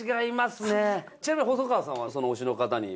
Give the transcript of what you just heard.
ちなみに細川さんは。